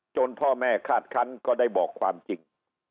พ่อแม่คาดคันก็ได้บอกความจริง